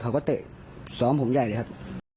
เขาก็เตะซ้อมผมแย่เลยครับ